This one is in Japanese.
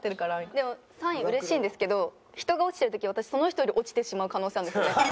でも３位うれしいんですけど人が落ちてる時私その人より落ちてしまう可能性あるんですよね。